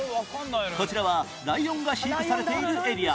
こちらはライオンが飼育されているエリア